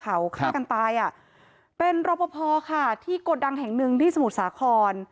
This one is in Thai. เขาฆ่ากันตายอ่ะเป็นรอปภค่ะที่โกดังแห่งหนึ่งที่สมุทรสาคร